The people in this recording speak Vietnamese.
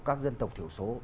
các dân tộc thiểu số